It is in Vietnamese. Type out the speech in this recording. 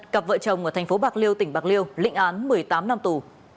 cặp vợ chồng ở thành phố bạc liêu tỉnh bạc liêu lịnh án một mươi tám năm tù